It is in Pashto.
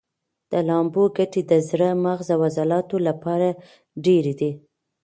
د لامبو ګټې د زړه، مغز او عضلاتو لپاره ډېرې دي.